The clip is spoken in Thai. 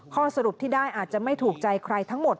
ข้อสรุปที่ได้อาจจะไม่ถูกใจใครทั้งหมด